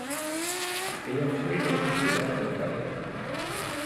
Ella fue recogida por Tyler.